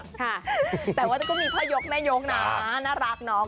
ค่ะแต่ว่าก็มีพ่อยกแม่ยกนะน่ารักเนาะ